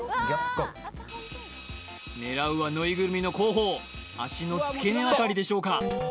ゴー狙うはぬいぐるみの後方脚の付け根辺りでしょうか？